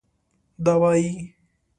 دا وايي